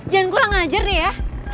jangan gue lah ngajer nih ya